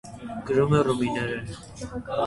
Գրում է ռումիներեն։